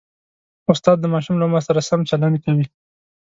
استاد د ماشوم له عمر سره سم چلند کوي.